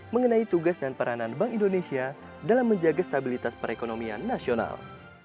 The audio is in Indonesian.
mengenai tugas dan peranan bank indonesia dalam menjaga stabilitas perekonomian nasional